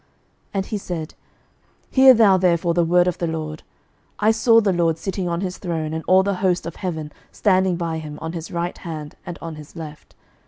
11:022:019 And he said, Hear thou therefore the word of the LORD: I saw the LORD sitting on his throne, and all the host of heaven standing by him on his right hand and on his left.